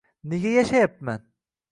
Nega yashayapman